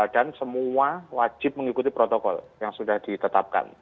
dan semua wajib mengikuti protokol yang sudah ditetapkan